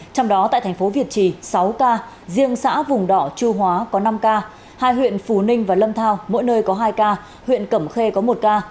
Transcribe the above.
trong đó tại thành phố việt trì sáu ca riêng xã vùng đọ chu hóa có năm ca hai huyện phú ninh và lâm thao mỗi nơi có hai ca huyện cẩm khê có một ca